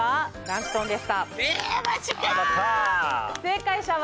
正解者は。